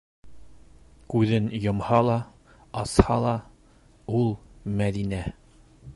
Күҙен йомһа ла, асһа ла - ул, Мәҙинә.